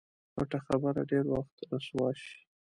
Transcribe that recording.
پټه خبره ډېر وخت رسوا شي.